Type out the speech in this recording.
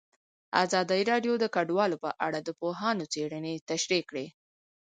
ازادي راډیو د کډوال په اړه د پوهانو څېړنې تشریح کړې.